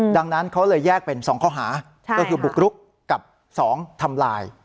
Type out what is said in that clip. ดังนั้นเขาเลยแยกเป็น๒ข้อหาก็คือบุกรุกกับ๒ทำลาย